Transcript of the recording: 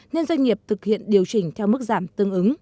nên doanh nghiệp thực hiện điều chỉnh theo mức giảm tương ứng